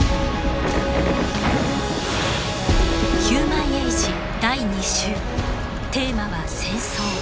「ヒューマンエイジ第２集」テーマは「戦争」。